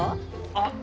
あっ。